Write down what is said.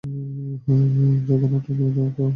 যেকোনোটা নিয়ে নাও, সবই তো সাদা।